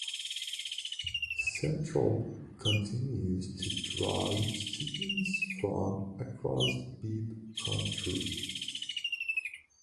Central continues to draw students from across Bibb County.